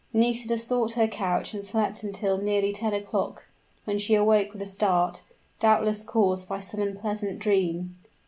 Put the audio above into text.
Nisida sought her couch and slept until nearly ten o'clock, when she awoke with a start doubtless caused by some unpleasant dream.